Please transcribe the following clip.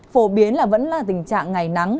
phổ biến là vẫn là tình trạng ngày nắng